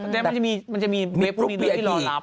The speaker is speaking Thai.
แต่มันจะมีเว็บวิทยอดรอนับ